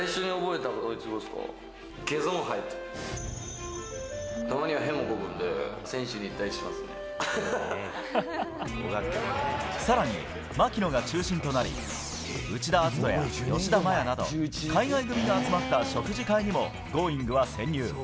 たまにはへもこくので、さらに、槙野が中心となり、内田篤人や吉田麻也など、海外組が集まった食事会にもＧｏｉｎｇ！は潜入。